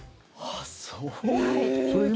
ああ、そう。